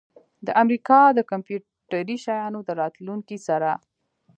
د امریکا د کمپیوټري شیانو د راتلونکي سره